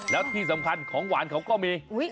แล้วที่สำคัญของหวานเขาก็มี